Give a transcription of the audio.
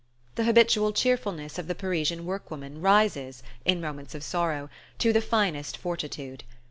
The habitual cheerfulness of the Parisian workwoman rises, in moments of sorrow, to the finest fortitude.